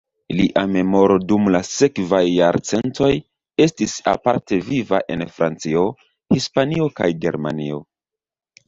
Lia memoro dum la sekvaj jarcentoj estis aparte viva en Francio, Hispanio kaj Germanio.